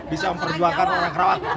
bisa memperjuangkan orang kerawang